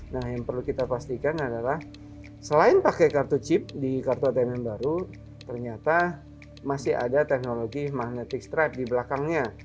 nah yang perlu kita pastikan adalah selain pakai kartu chip di kartu atm baru ternyata masih ada teknologi magnetic stripe di belakangnya